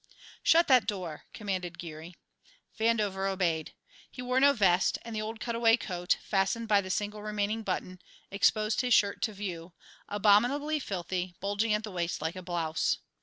"Shut that door!" commanded Geary. Vandover obeyed. He wore no vest, and the old cutaway coat, fastened by the single remaining button, exposed his shirt to view, abominably filthy, bulging at the waist like a blouse.